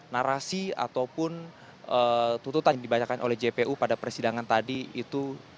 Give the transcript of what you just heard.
narasi ataupun tuntutan yang dibacakan oleh jpu pada persidangan tadi itu